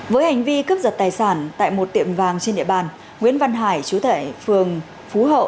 với hành vi cướp giật tài sản tại một tiệm vàng trên địa bàn nguyễn văn hải chú tại phường phú hậu